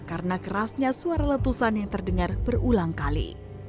karena kerasnya suara letusan yang terdengar berulang kali